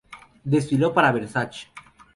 Desfiló para Versace.